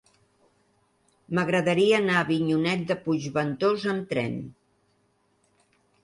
M'agradaria anar a Avinyonet de Puigventós amb tren.